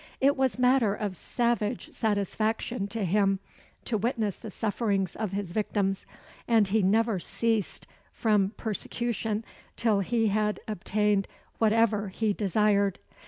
It was matter of savage satisfaction to him to witness the sufferings of his victims; and he never ceased from persecution till he had obtained whatever he desired.